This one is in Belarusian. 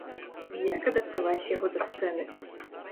Як адаптаваць яго да сцэны?